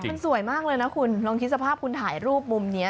มันสวยมากเลยนะคุณลองคิดสภาพคุณถ่ายรูปมุมนี้